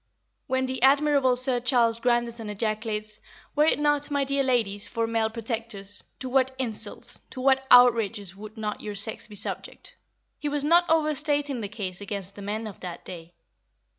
When the admirable Sir Charles Grandison ejaculates, "Were it not, my dear ladies, for male protectors, to what insults, to what outrages, would not your sex be subject?" he was not overstating the case against the men of that day.